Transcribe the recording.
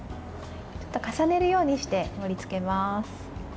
重ねるようにして盛りつけます。